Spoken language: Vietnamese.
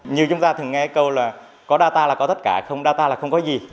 như chúng ta thường nghe câu là có data là có tất cả không data là không có gì